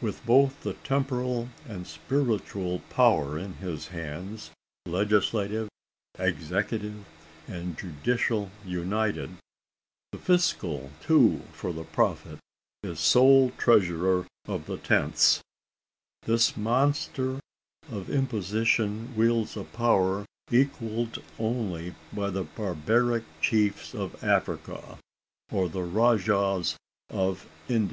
With both the temporal and spiritual power in his hands; legislative, executive, and judicial united the fiscal too, for the prophet is sole treasurer of the tenths this monster of imposition wields a power equalled only by the barbaric chiefs of Africa, or the rajahs of Ind.